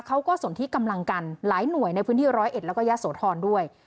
สนที่กำลังกันหลายหน่วยในพื้นที่ร้อยเอ็ดแล้วก็ยะโสธรด้วย